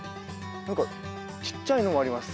何かちっちゃいのもあります。